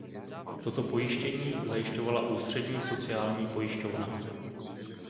Toto pojištění zajišťovala Ústřední sociální pojišťovna.